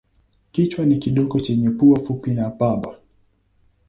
Kichwa ni kidogo chenye pua fupi na bapa.